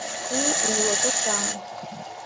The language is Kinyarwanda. kuri uyu wa gatanu